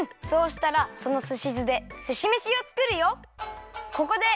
そうしたらそのすし酢ですしめしをつくるよ！